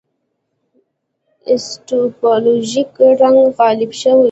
اپیستیمولوژیک رنګ غالب شوی.